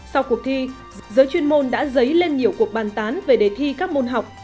sau cuộc thi giới chuyên môn đã dấy lên nhiều cuộc bàn tán về đề thi các môn học